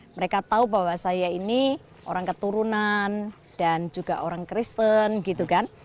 mereka tahu bahwa saya ini orang keturunan dan juga orang kristen gitu kan